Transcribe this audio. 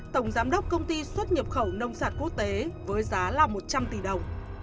tổng giám đốc công ty xuất nhập khẩu nông sản quốc tế với giá là một trăm linh tỷ đồng